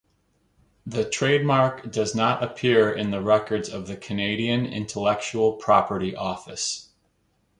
The trademark does not appear in the records of the Canadian Intellectual Property Office.